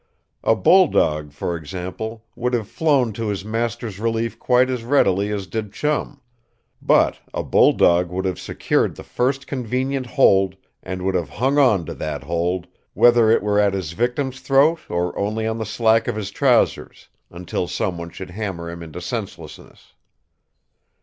A bulldog, for example, would have flown to his master's relief quite as readily as did Chum. But a bulldog would have secured the first convenient hold and would have hung on to that hold, whether it were at his victim's throat or only on the slack of his trousers until someone should hammer him into senselessness.